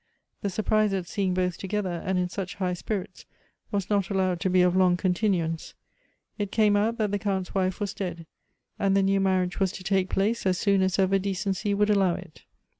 The surprise at seeing both together, and in such high spirits was not allowed to be of long con tinuance. It came out that the Count's 'wife was dead, and the new marriage was to take place as soon as ever decency would allow it.